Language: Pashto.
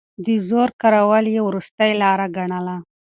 د زور کارول يې وروستۍ لاره ګڼله.